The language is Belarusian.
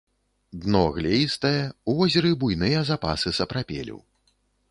Дно глеістае, у возеры буйныя запасы сапрапелю.